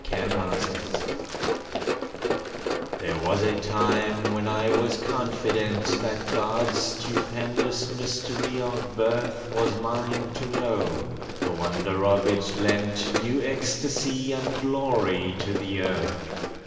CERTITUDE THERE was a time when I was confident That God's stupendous mystery of birth Was mine to know. The wonder of it lent New ecstasy and glory to the earth.